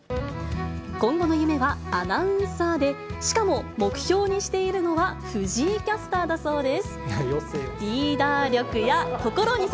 今後の夢はアナウンサーで、しかも目標にしているのは、藤井キャスターだそうです。